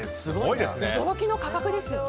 驚きの価格ですよね。